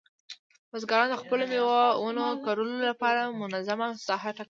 بزګران د خپلو مېوې ونو کرلو لپاره منظمه ساحه ټاکله.